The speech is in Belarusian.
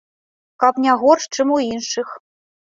Каб не горш, чым у іншых!